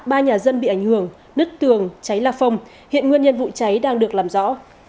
ba nhà dân bị ảnh hưởng nứt tường cháy là phồng hiện nguyên nhân vụ cháy đang được làm rõ